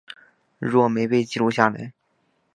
若没被记录下来